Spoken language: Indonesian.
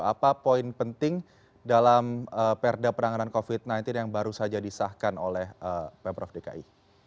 apa poin penting dalam perda penanganan covid sembilan belas yang baru saja disahkan oleh pemprov dki